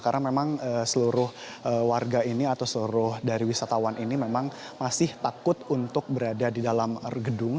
karena memang seluruh warga ini atau seluruh dari wisatawan ini memang masih takut untuk berada di dalam gedung